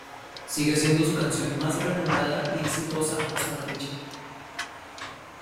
Sigue siendo su canción más renombrada y exitosa hasta la fecha.